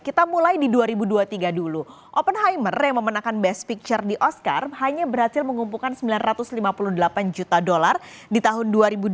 kita mulai di dua ribu dua puluh tiga dulu open hoymer yang memenangkan best picture di oscar hanya berhasil mengumpulkan sembilan ratus lima puluh delapan juta dolar di tahun dua ribu dua puluh